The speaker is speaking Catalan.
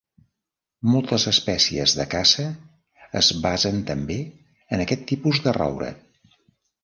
Moltes espècies de caça es basen també en aquest tipus de roure.